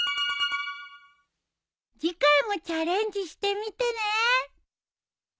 次回もチャレンジしてみてね。